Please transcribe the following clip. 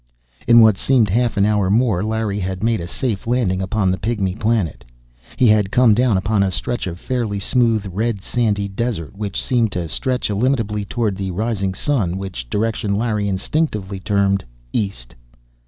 In what seemed half an hour more, Larry had made a safe landing upon the Pygmy Planet. He had come down upon a stretch of fairly smooth, red, sandy desert, which seemed to stretch illimitably toward the rising sun, which direction Larry instinctively termed "east."